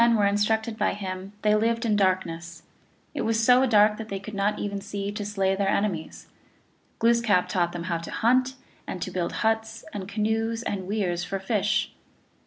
30 THE ALGONQUIN LEGENDS. darkness ; it was so dark that they could not even see to slay their enemies. 1 Glooskap taught them how to hunt, and to build huts and canoes and weirs for fish.